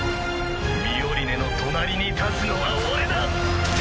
ミオリネの隣に立つのは俺だ！